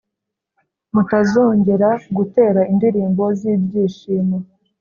mutazongera gutera indirimbo z’ibyishimo.